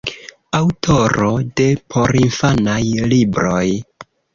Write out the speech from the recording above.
Aŭtoro de porinfanaj libroj.